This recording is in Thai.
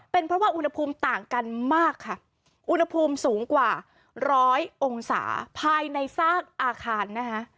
เป็นเพราะว่าอุณหภูมิต่างกันมากค่ะอุณหภูมิสูงกว่าร้อยองศาภายในซากอาคารนะคะ